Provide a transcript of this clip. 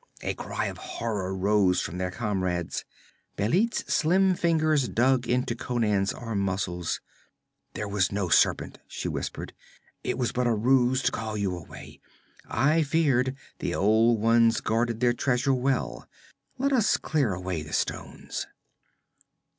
A cry of horror rose from their comrades. Bêlit's slim fingers dug into Conan's arm muscles. 'There was no serpent,' she whispered. 'It was but a ruse to call you away. I feared; the old ones guarded their treasure well. Let us clear away the stones.'